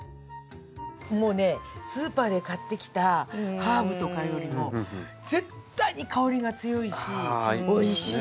もうねスーパーで買ってきたハーブとかよりも絶対に香りが強いしおいしいし。